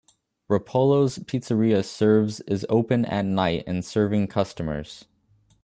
Roppolo s Pizzeria serves is open at night and serving customers